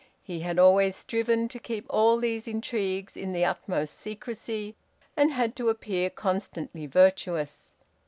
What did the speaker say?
He had always striven to keep all these intrigues in the utmost secrecy, and had to appear constantly virtuous.